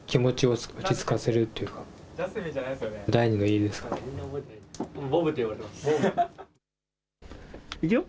いくよ。